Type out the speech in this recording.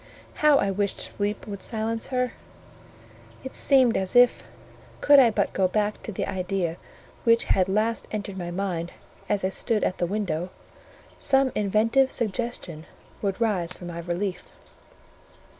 How I wished sleep would silence her. It seemed as if, could I but go back to the idea which had last entered my mind as I stood at the window, some inventive suggestion would rise for my relief.